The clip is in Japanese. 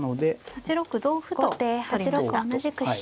８六同歩と取りました。